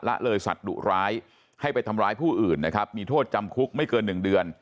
ละเลยสัตว์ดุร้ายให้ไปทำร้ายผู้อื่นนะครับมีโทษจำคุกไม่เกิน๑เดือน